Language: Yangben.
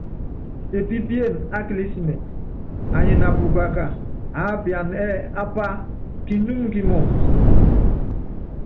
Epípíene á kilísimɛt anyi na pukaka, aápianan ɛ́ɛ́ ápá kinúmu kímɔɔdɔ.